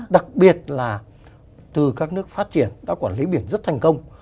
đặc biệt là từ các nước phát triển đã quản lý biển rất thành công